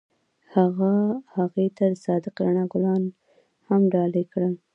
هغه هغې ته د صادق رڼا ګلان ډالۍ هم کړل.